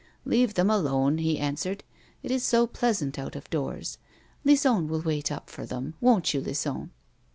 "Leave them alone," he answered; "it is so pleasant out of doors; Lison will wait up for them ; won't you, Lison?"